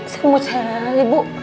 saya mau cari bu